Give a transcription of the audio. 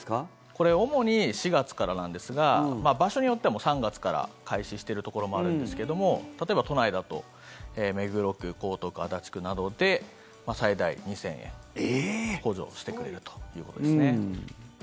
これ主に４月からなんですが場所によっては３月から開始しているところもあるんですけども例えば、都内だと目黒区、江東区、足立区などで最大２０００円補助してくれるということですね。